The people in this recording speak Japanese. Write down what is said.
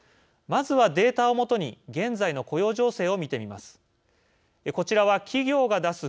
まずは、データを基に現在の雇用情勢を見てみます。